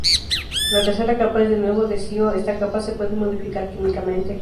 La tercera capa es de nuevo de SiO- esta capa se puede modificar químicamente.